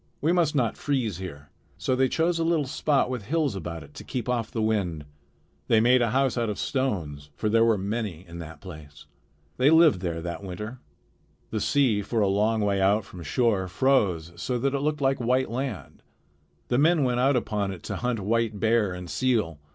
"We must not freeze here." So they chose a little spot with hills about it to keep off the wind. They made a house out of stones; for there were many in that place. They lived there that winter. The sea for a long way out from shore froze so that it looked like white land. The men went out upon it to hunt white bear and seal.